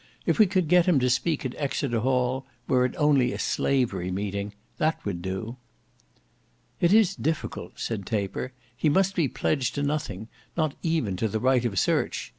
"If we could get him to speak at Exeter Hall—were it only a slavery meeting—that would do." "It is difficult," said Taper; "he must be pledged to nothing—not even to the right of search.